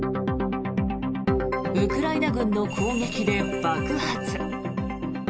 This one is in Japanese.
ウクライナ軍の攻撃で爆発。